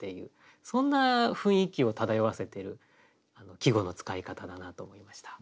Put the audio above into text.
そんな雰囲気を漂わせている季語の使い方だなと思いました。